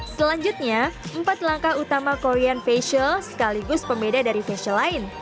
selanjutnya empat langkah utama korean facial sekaligus pembeda dari facial lain